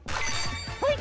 はい。